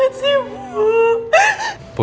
itu udah gak apa apa